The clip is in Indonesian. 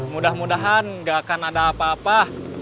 mudah mudahan gak akan ada apa apa